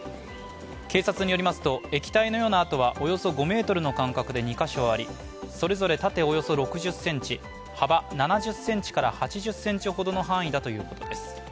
警察によりますと液体のような痕はおよそ５ｍの間隔で２カ所ありそれぞれ縦およそ６０ｃｍ幅７０ｃｍから８０ｃｍほどの範囲だということです。